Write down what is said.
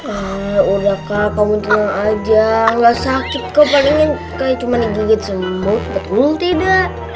ah udah kak kamu tenang aja gak sakit kok padahal kak cuma digigit semut betul tidak